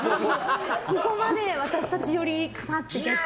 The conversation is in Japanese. ここまで私たち寄りかなって。